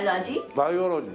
バイオロジー。